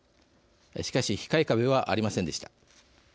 しかし控え壁はありませんでした。